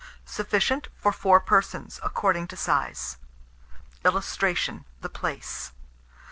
Sufficient for 4 persons; according to size. [Illustration: THE PLAICE.